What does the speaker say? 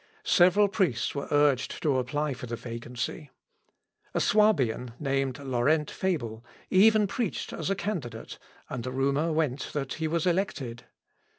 Several priests were urged to apply for the vacancy. A Suabian, named Laurent Fable, even preached as a candidate, and the rumour went that he was elected.